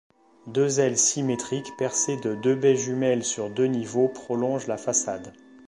Deux ailes symétriques percées de deux baies jumelles sur deux niveaux prolongent la façade.